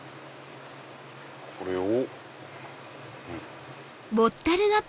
これを。